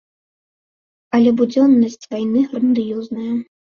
Але будзённасць вайны грандыёзная.